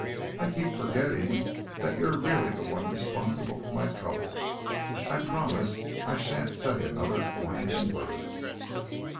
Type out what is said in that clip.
"I keep forgetting that you're really the one responsible for my troubles. I promise I shan't say another whining word."